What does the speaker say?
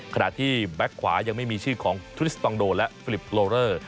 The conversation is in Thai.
แบ็คขวายังไม่มีชื่อของทริสตองโดและฟิลิปโลเลอร์